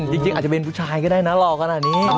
จริงอาจจะเป็นผู้ชายก็ได้นะหล่อขนาดนี้